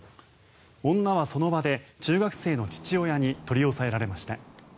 女はその場で中学生の父親に取り押さえられました。